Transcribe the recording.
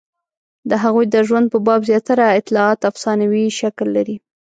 د هغوی د ژوند په باب زیاتره اطلاعات افسانوي شکل لري.